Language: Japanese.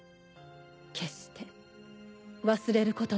決して忘れることなきように。